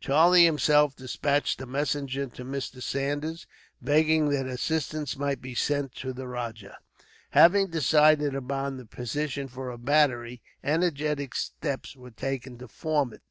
Charlie himself despatched a messenger to Mr. Saunders, begging that assistance might be sent to the rajah. Having decided upon the position for a battery, energetic steps were taken to form it.